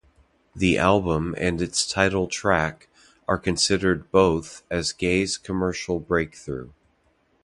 The album and its title track are considered both as Gaye's commercial breakthrough.